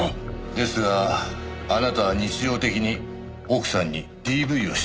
ですがあなたは日常的に奥さんにＤＶをしていましたよね？